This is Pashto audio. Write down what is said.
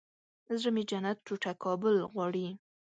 زړه مې جنت ټوټه کابل غواړي